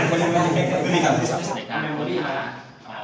เพราะคือการให้ตัดไปเข้ากับเสา